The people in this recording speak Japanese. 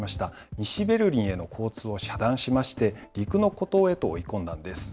西ベルリンへの交通を遮断しまして、陸の孤島へと追い込んだんです。